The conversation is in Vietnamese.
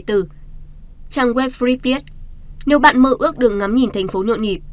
trang webfreak viết nếu bạn mơ ước được ngắm nhìn thành phố nhộn nhịp